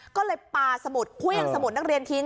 ก็เลยปาสมุดเครื่องสมุดนักเรียนทิ้ง